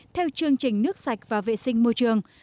theo chương trình nước sạch và vệ sinh môi trường